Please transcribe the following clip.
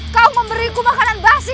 kau memberiku makanan basi